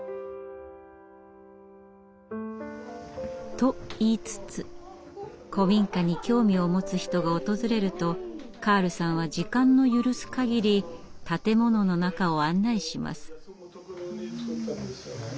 と言いつつ古民家に興味を持つ人が訪れるとカールさんは時間の許すかぎり建物の中を案内します。